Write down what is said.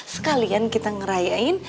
sekalian kita ngerayain